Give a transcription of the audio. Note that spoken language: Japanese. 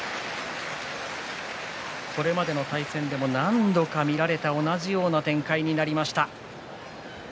これまでの対戦でも何度か見られた同じような展開になりました。